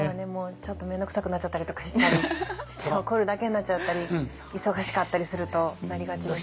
ちょっと面倒くさくなっちゃったりとかしたりして怒るだけになっちゃったり忙しかったりするとなりがちです。